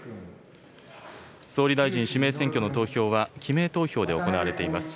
総理大臣指名選挙の投票は、記名投票で行われています。